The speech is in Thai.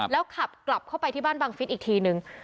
แล้วขับกลับเข้าไปที่บ้านบังฟิศอีกทีนึง